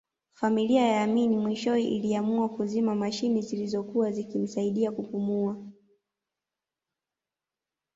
Familia ya Amin mwishowe iliamua kuzima mashine zilizokuwa zikimsaidia kupumua